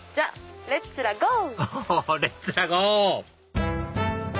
おレッツらゴー！